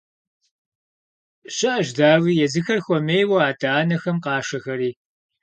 ЩыӀэщ, дауи, езыхэр хуэмейуэ адэ-анэхэм къашэхэри.